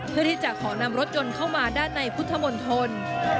เพื่อที่จะขอนำรถยนต์เข้ามาด้านในพุทธมนตร